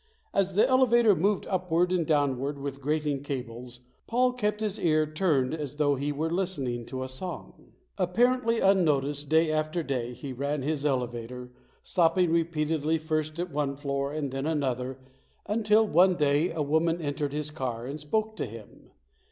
As the elevator moved upward and downward with grating cables, Paul kept his ear turned as though he were listening to a song. Apparently unnoticed, day after day he ran his elevator, stopping repeatedly first at one floor and then another until one day a woman entered his car and spoke to him.